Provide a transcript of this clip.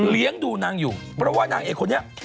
เลี้ยงดูนางอยู่เพราะว่านางเอกคนนี้